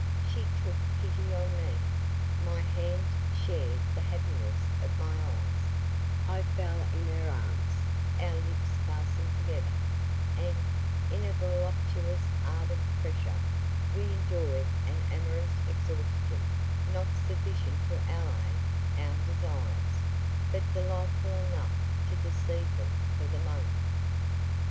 She took pity on me, my hands shared the happiness of my eyes; I fell in her arms, our lips fastened together, and, in a voluptuous, ardent pressure, we enjoyed an amorous exhaustion not sufficient to allay our desires, but delightful enough to deceive them for the moment.